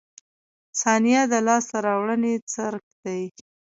• ثانیه د لاسته راوړنې څرک دی.